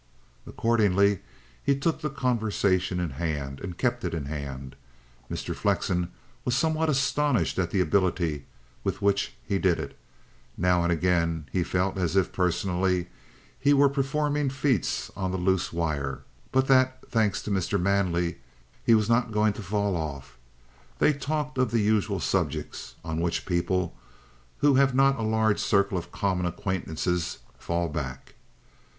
Accordingly he took the conversation in hand, and kept it in hand. Mr. Flexen was somewhat astonished at the ability with which he did it; now and again he felt as if, personally, he were performing feats on the loose wire, but that, thanks to Mr. Manley, he was not going to fall off. They talked of the usual subjects on which people who have not a large circle of common acquaintances fall back.